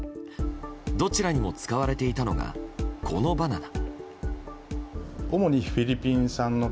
どちらにも使われていたのがこのバナナ。